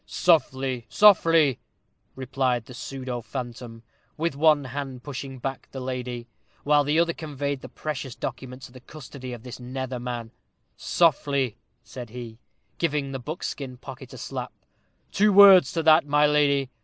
"Softly, softly," replied the pseudo phantom, with one hand pushing back the lady, while the other conveyed the precious document to the custody of his nether man "softly," said he, giving the buckskin pocket a slap "two words to that, my lady.